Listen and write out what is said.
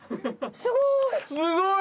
すごい！